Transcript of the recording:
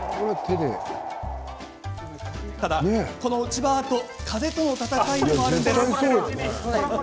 ただ、この落ち葉アート風との戦いでもあるんです。